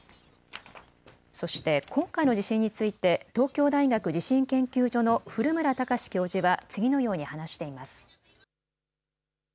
そして今回の地震について東京大学地震研究所の古村孝志教授は次のように話しています。